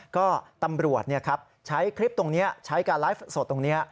ก็ตำรวจใช้คลิปตรงนี้ใช้การไลฟ์สดตรงนี้